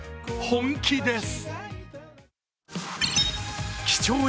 本気です。